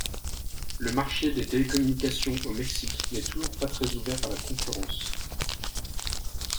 Le marché des télécommunications au Mexique n'est toujours pas très ouvert à la concurrence.